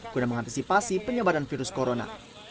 guna mengantisipasi penyebaran virus corona